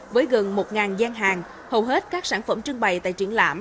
với gần một gian hàng hầu hết các sản phẩm trưng bày tại triển lãm